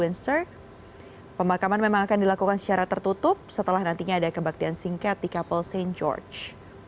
pemakaman memang akan dilakukan secara tertutup setelah nantinya ada kebaktian singkat di kapal st george